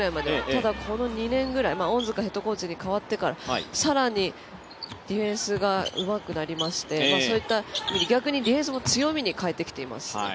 ただ、この２年ぐらい恩塚ヘッドコーチに変わってから更にディフェンスがうまくなりまして、そういった、逆にディフェンスも強みに変わってきています。